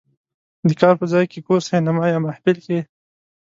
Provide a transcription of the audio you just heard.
"د کار په ځای، کور، سینما یا محفل" کې